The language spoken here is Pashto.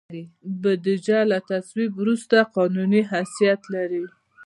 بودیجه له تصویب وروسته قانوني حیثیت لري.